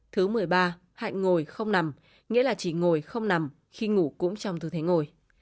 thứ một mươi ba hạnh ngồi không nằm nghĩa là chỉ ngồi không nằm khi ngủ cũng trong tư thế ngồi